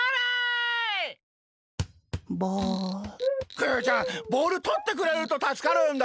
クヨヨちゃんボールとってくれるとたすかるんだけど。